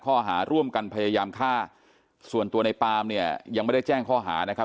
ข้อหาร่วมกันพยายามฆ่าส่วนตัวในปามเนี่ยยังไม่ได้แจ้งข้อหานะครับ